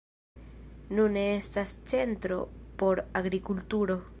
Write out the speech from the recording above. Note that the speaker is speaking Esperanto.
Nune estas centro por agrikulturo.